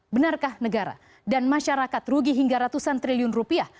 benarkah negara dan masyarakat rugi hingga ratusan triliun rupiah